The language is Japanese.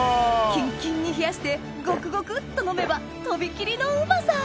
キンキンに冷やしてゴクゴクっと飲めばとびきりのうまさ！